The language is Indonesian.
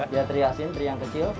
ya teri asin teri yang kecil